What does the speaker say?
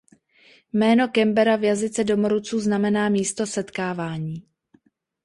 Jméno "Canberra" v jazyce domorodců znamená "Místo setkávání".